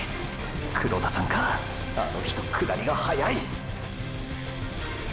黒田さんかあの人下りが速い！！